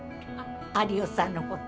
有吉さんのこと。